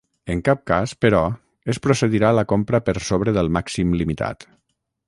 En cap cas però es procedirà a la compra per sobre del màxim limitat.